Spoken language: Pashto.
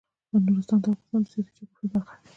نورستان د افغانستان د سیاسي جغرافیه برخه ده.